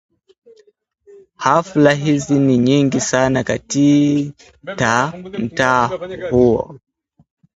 Hafla hizi ni nyingi sana katita mtaa huo